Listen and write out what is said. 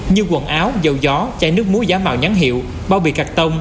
như quần áo dầu gió chai nước muối giá màu nhắn hiệu bao bì gạch tông